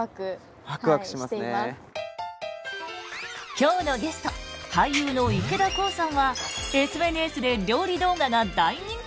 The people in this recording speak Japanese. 今日のゲスト俳優の池田航さんはＳＮＳで料理動画が大人気。